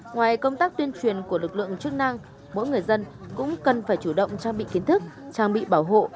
ngoài công tác tuyên truyền của lực lượng chức năng mỗi người dân cũng cần phải chủ động trang bị kiến thức trang bị bảo hộ